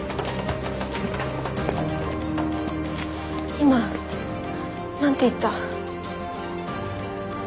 今何て言った？